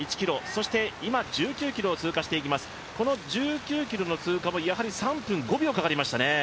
そして今１９ｋｍを通過していきます、この１９ｋｍもやはり、３分５秒かかりましたね。